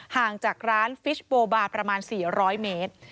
ห่างจากร้านฟิชโบบาร์ประมาณ๔๐๐เมตร